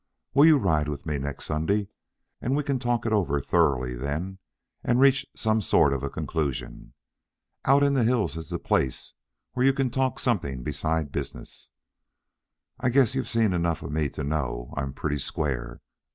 Will you ride with me next Sunday, and we can talk it over thoroughly then and reach some sort of a conclusion. Out in the hills is the place where you can talk something besides business. I guess you've seen enough of me to know I'm pretty square.